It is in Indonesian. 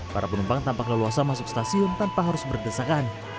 para penumpang tampak leluasa masuk stasiun tanpa harus berdesakan